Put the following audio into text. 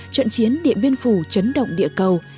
trận chiến địa biên phủ chấn động địa cầu